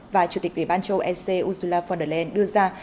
và chủ tịch ủy ban châu âu ec ursula von der leyen đưa ra